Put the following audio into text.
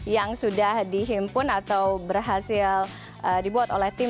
yang sudah dihimpun atau berhasil dibuat oleh tim